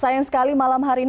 sayang sekali malam hari ini